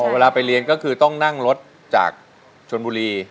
เวลาไปเรียนก็คือต้องนั่งรถจากชนบุรี